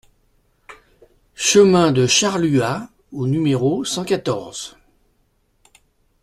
Chemin de Charluat au numéro cent quatorze